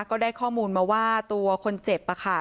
ก็ได้ข้อมูลมาว่าตัวคนเจ็บค่ะ